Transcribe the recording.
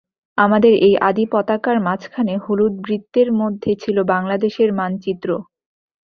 আমাদের সেই আদি পতাকার মাঝখানে হলুদ বৃত্তের মধ্যে ছিল বাংলাদেশের মানচিত্র।